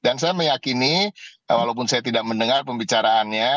dan saya meyakini walaupun saya tidak mendengar pembicaraannya